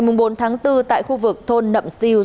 ngày bốn bốn tại khu vực thôn nậm siêu